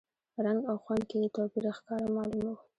رنګ او خوند کې یې توپیر ښکاره معلوم و.